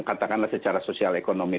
katakanlah secara sosial ekonomi